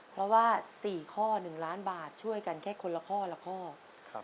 เพราะว่า๔ข้อ๑ล้านบาทช่วยกันแค่คนละข้อละข้อ